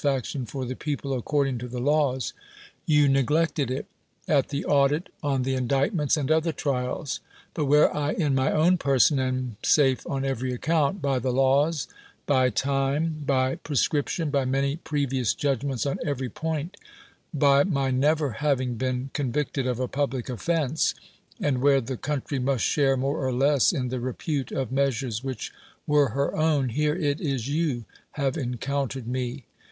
ic tion for the people according to the l;nvs. M'M neglected it — at the audit, on the iiulict menis and other trials; but wliere T in my own peixm am safe on every accounl, liy fhe laws, l>\' !:mc, 157 THE WORLD'S FAMOUS ORATIONS by prescription, by many previous judgments on every point, by my never liaving been con victed of a public offense — and where the coun try must share, more or less, in the repute of measures wnich were her own — hi^re it is you have encountered me.